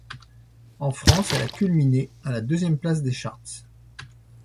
En France, elle a culminé à la deuxième place des charts.